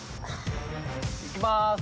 いきまーす。